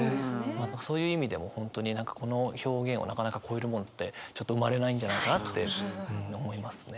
そういう意味でも本当に何かこの表現をなかなか超えるものってちょっと生まれないんじゃないかなって思いますね。